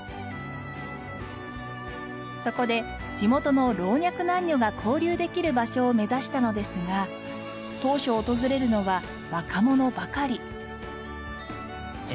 そこで地元の老若男女が交流できる場所を目指したのですが当初訪れるのは若者ばかり。